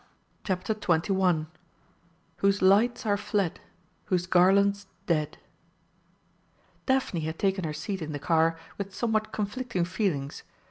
CHAPTER XXI "WHOSE LIGHTS ARE FLED, WHOSE GARLANDS DEAD" Daphne had taken her seat in the car with somewhat conflicting feelings.